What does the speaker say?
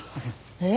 えっ？